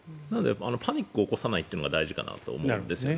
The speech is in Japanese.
パニックを起こさないというのが大事なのかなと思うんですよね。